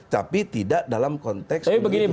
tapi tidak dalam konteks